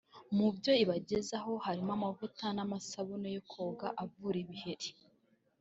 Mu byo ibagezaho harimo amavuta n’amasabune yo koga avura ibiheri